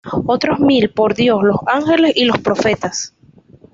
Otros mil, por Dios, los ángeles y los profetas.